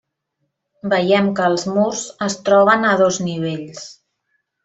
Veiem que els murs es troben a dos nivells.